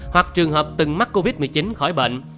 hoặc trường hợp từng mắc covid một mươi chín khỏi bệnh